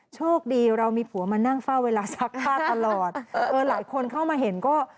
โชคดีเรามีผัวมานั่งเฝ้าเวลาซักผ้าตลอดเออหลายคนเข้ามาเห็นก็